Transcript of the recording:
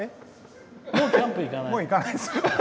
もうキャンプ行かない。